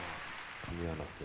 噛み合わなくて。